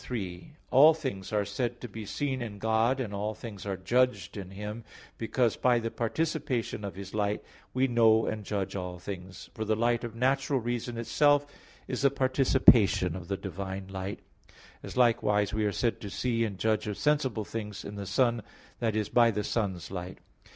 3: All things are said to be seen in God and all things are judged in Him, because by the participation of His light, we know and judge all things; for the light of natural reason itself is a participation of the divine light; as likewise we are said to see and judge of sensible things in the sun, i.e., by the sun's light.